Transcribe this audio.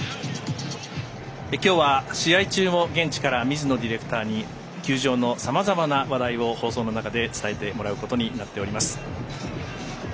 きょうは試合中も現地から水野ディレクターに球場のさまざまな話題を放送の中で伝えてもらうことになっています。